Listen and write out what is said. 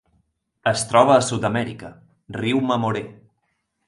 Es troba a Sud-amèrica: riu Mamoré.